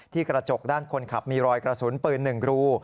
กระจกด้านคนขับมีรอยกระสุนปืน๑รู